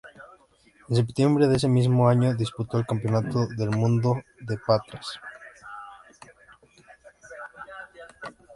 En septiembre de ese mismo año disputó el Campeonato del Mundo de Patras.